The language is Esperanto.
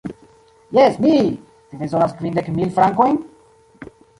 Jes, mi! Vi bezonas kvindek mil frankojn?